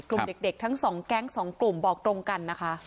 กลุ่มเด็กทั้ง๒แก๊ง๒กลุ่มบอกตรงกันนะคะ